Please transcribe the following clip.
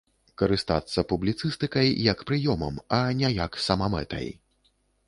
Карыстацца публіцыстыкай як прыёмам, а не як самамэтай.